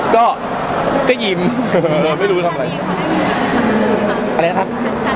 คันสามนี้เขาได้มีคำสั่งให้ดูไหมครับ